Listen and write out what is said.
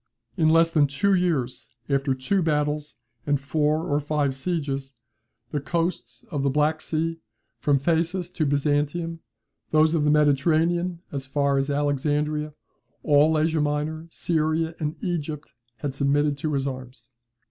In less than two years, after two battles and four or five sieges, the coasts of the Black Sea from Phasis to Byzantium, those of the Mediterranean as far as Alexandria, all Asia Minor, Syria, and Egypt, had submitted to his arms.